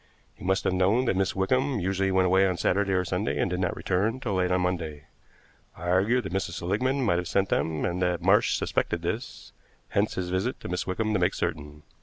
He must have known that Miss Wickham usually went away on Saturday or Sunday and did not return till late on Monday. I argued that Mrs. Seligmann might have sent them, and that Marsh suspected this, hence his visit to Miss Wickham to make certain.